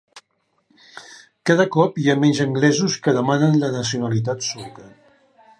Cada cop hi ha menys anglesos que demanen la nacionalitat sueca